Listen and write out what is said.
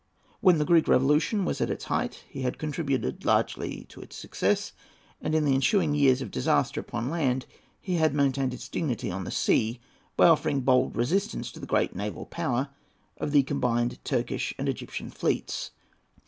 When the Greek Revolution was at its height, he had contributed largely to its success; and in the ensuing years of disaster upon land, he had maintained its dignity on the sea by offering bold resistance to the great naval power of the combined Turkish and Egyptian fleets.